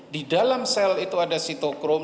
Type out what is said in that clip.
di dalam sel itu ada sitokrom